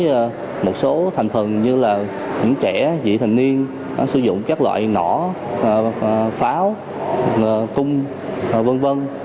với một số thành phần như là những trẻ dị thành niên sử dụng các loại nỏ pháo cung vân vân